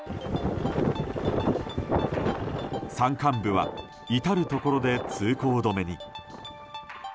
山間部は至るところで通行止めに。